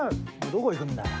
どこ行くんだよ！？